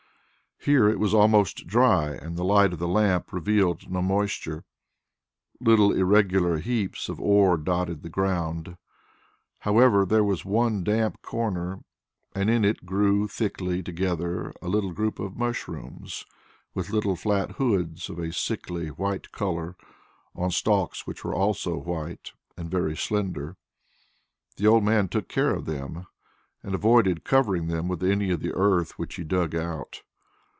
Here it was almost dry and the light of the lamp revealed no moisture. Little irregular heaps of ore dotted the ground. However, there was one damp corner, and in it grew thickly together a little group of mushrooms with little flat hoods of a sickly white colour on stalks which were also white and very slender. The old man took care of them and avoided covering them with any of the earth which he dug out.